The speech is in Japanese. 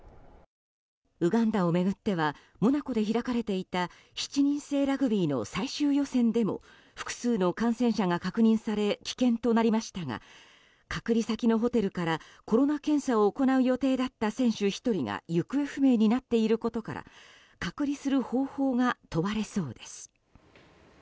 ウガンダを巡ってはモナコで開かれていた７人制ラグビーの最終予選でも複数の感染者が確認され棄権となりましたが隔離先のホテルからコロナ検査を行う予定だった選手１人が行方不明になっていることから隔離する方法が問われそうです。